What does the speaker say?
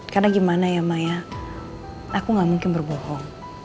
karena gimana ya maya aku gak mungkin berbohong